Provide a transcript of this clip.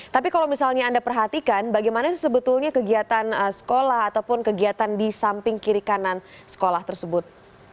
tapi kalau misalnya anda perhatikan bagaimana sebetulnya kegiatan sekolah ataupun kegiatan di samping kiri kanan sekolah tersebut